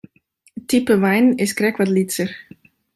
It type wein is krekt wat lytser.